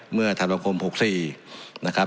เมื่อธันวาคม๖๔นะครับ